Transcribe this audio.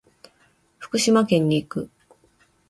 福島県に行く。